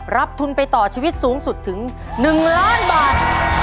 รับทุนไปต่อชีวิตสูงสุดถึง๑ล้านบาท